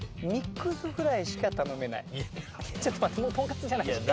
ちょっと待ってもうとんかつじゃないじゃん。